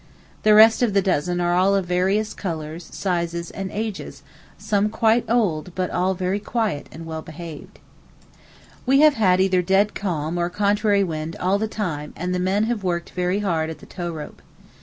The rest of the dozen are of various colours, sizes and ages, some quite old, but all very quiet and well behaved. We have had either dead calm or contrary wind all the time and the men have worked very hard at the tow rope.